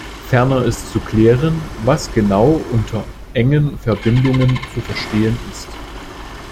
Ferner ist zu klären, was genau unter "engen Verbindungen" zu verstehen ist.